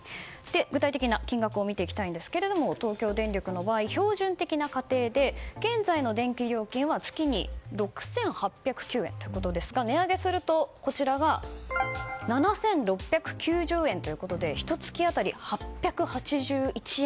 具体的な金額を見ていきたいんですが東京電力の場合、標準的な家庭で現在の電気料金は月に６８０９円ということですが値上げするとこちらが７６９０円ということでひと月あたり８８１円